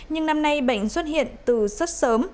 nhưng năm nay bệnh xuất hiện từ rất sớm